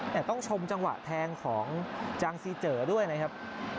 แต่ต้องชมจังหวะแทงของจางซีเจ๋อด้วยนะครับ